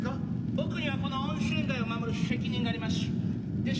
僕にはこの温泉街を守る責任がありましゅ。